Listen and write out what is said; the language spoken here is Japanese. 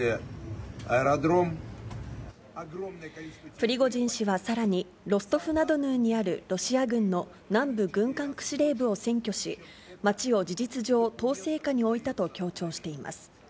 プリゴジン氏はさらに、ロストフナドヌーにあるロシア軍の南部軍管区司令部を占拠し、町を事実上、統制下に置いたと強調しています。